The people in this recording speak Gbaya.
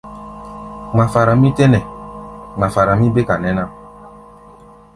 Ŋmafara mí tɛ́ nɛ, ŋmafara mí béka nɛ́ ná.